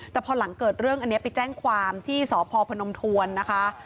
แต่พอหลังเกิดเรื่องอันนี้ไปแจ้งความที่สพพนมทวนนะคะ